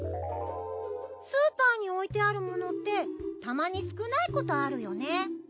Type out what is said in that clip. スーパーに置いてあるものってたまに少ないことあるよね。